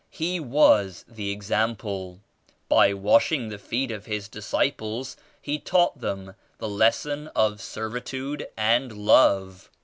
He was the example. By washing the feet of His disciples He taught them the lesson of Servitude and Love.